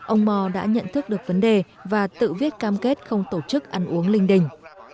ông mò đã nhận thức được vấn đề và tự viết cam kết không tổ chức ăn uống linh đình